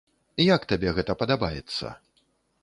Як табе гэта падабаецца?